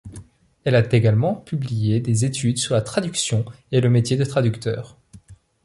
Elle a également publié des études sur la traduction et le métier de traducteur.